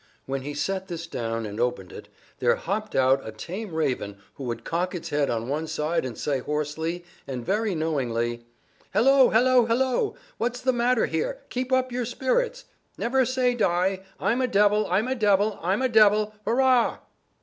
When he set this down and opened it, there hopped out a tame raven who would cock its head on one side and say hoarsely and very knowingly: "Hello! Hello! Hello! What's the matter here? Keep up your spirits. Never say die. I'm a devil, I'm a devil, I'm a devil! Hurrah!"